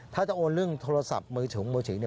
ถ้าจะโอนเรื่องโทรศัพท์มือถุงมือถือ